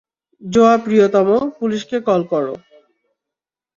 জোয়া প্রিয়তম, পুলিশকে কল করো।